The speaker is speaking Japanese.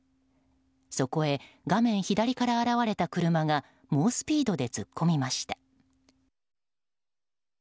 そこへ画面左から現れた車が猛スピードで突っ込みました。